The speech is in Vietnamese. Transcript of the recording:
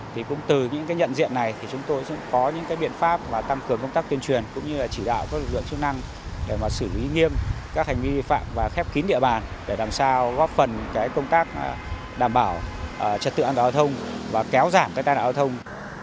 thì cũng từ những cái nhận diện này thì chúng tôi cũng có những cái biện pháp tăng cường công tác tuyên truyền cũng như là chỉ đạo các lực lượng chức năng để mà xử lý nghiêm các hành vi vi phạm và khép kín địa bàn để làm sao góp phần cái công tác đảm bảo trật tự an toàn giao thông và kéo giảm cái tai nạn giao thông